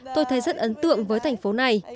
tôi thấy rất ấn tượng với thành phố này